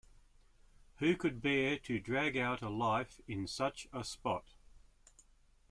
Who could bear to drag out a life in such a spot?